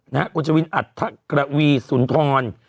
นะฮะคุณชวินอัทธกรวีสุนทร